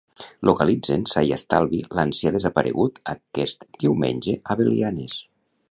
Localitzen sa i estalvi l'ancià desaparegut aquest diumenge a Belianes.